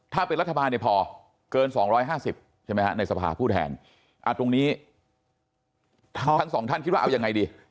ถ้าเป็นรัฐบาลเนี่ยพอเกิน๒๕๐ใช่ไหมฮะในสภาผู้แทนตรงนี้ทั้งสองท่านคิดว่าเอายังไงดี